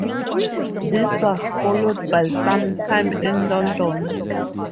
This was followed by some time in London.